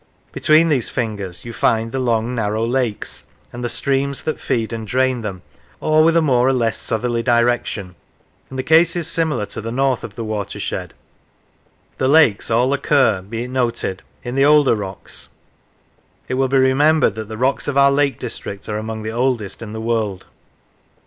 Between these fingers you find the long narrow lakes, and the streams that feed and drain them, all with a more or less southerly direction, and the case is similar to the north of the watershed. The lakes all occur, be it noted, in the older rocks (it will be remembered that 142 The Lakes the rocks of our Lake District are among the oldest in the world).